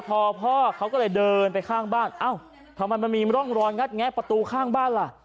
พอพ่อเขาก็เลยเดินไปข้างบ้านเอ้าทำไมมันมีร่องรอยงัดแงะประตูข้างบ้านล่ะ